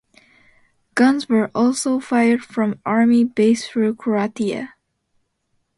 Guns were also fired from army bases through Croatia.